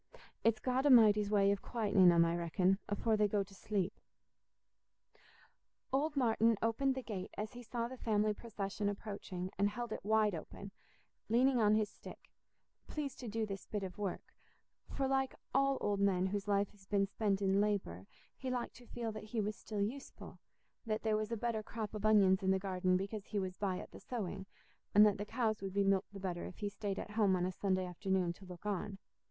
It's God A'mighty's way o' quietening 'em, I reckon, afore they go to sleep." Old Martin opened the gate as he saw the family procession approaching, and held it wide open, leaning on his stick—pleased to do this bit of work; for, like all old men whose life has been spent in labour, he liked to feel that he was still useful—that there was a better crop of onions in the garden because he was by at the sowing—and that the cows would be milked the better if he stayed at home on a Sunday afternoon to look on.